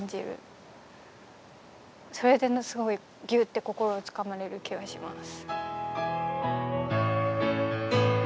それですごいギューッて心をつかまれる気がします。